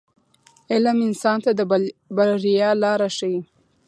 • علم انسان ته د بریا لار ښیي.